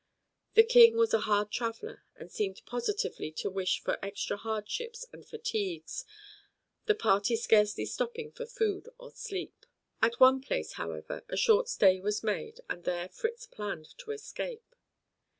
The King was a hard traveler, and seemed positively to wish for extra hardships and fatigues, the party scarcely stopping for food or sleep. At one place, however, a short stay was made, and there Fritz planned to escape.